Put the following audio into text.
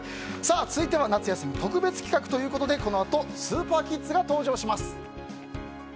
続いては夏休み特別企画ということでこのあとスーパーキッズが登場します。